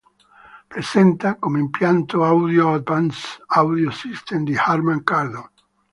Presenta come impianto audio l’Advanced Audio System di Harman-Kardon.